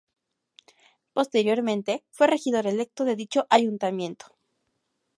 Posteriormente, fue regidor electo de dicho ayuntamiento.